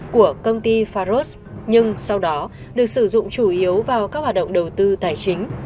của công ty faros nhưng sau đó được sử dụng chủ yếu vào các hoạt động đầu tư tài chính